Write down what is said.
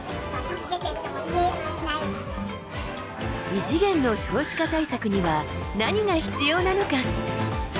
異次元の少子化対策には何が必要なのか。